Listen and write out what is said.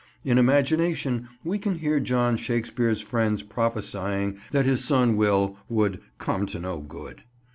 In imagination we can hear John Shakespeare's friends prophesying that his son Will would "come to no good."